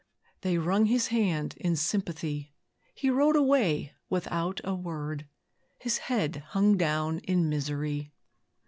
They wrung his hand in sympathy, He rode away without a word, His head hung down in misery.